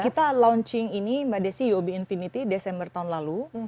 kita launching ini mbak desi uob infinity desember tahun lalu